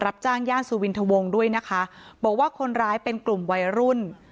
รับจ้างย่านสุวินทวงด้วยนะคะบอกว่าคนร้ายเป็นกลุ่มวัยรุ่น